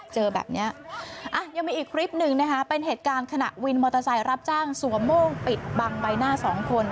เจอแบบนี้ยังมีอีกคลิปหนึ่งนะคะเป็นเหตุการณ์ขณะวินมอเตอร์ไซค์รับจ้างสวมโม่งปิดบังใบหน้าสองคน